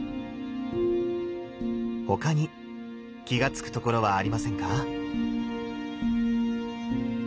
他に気が付くところはありませんか？